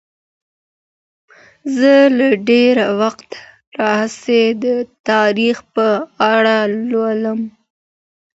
زه له ډیر وخت راهیسې د تاریخ په اړه لولم.